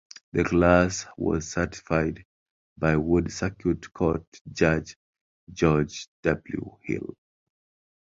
The class was certified by Wood Circuit Court Judge George W. Hill.